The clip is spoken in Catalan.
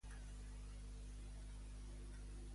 Quant temps tenia per tornar al món terrenal ell?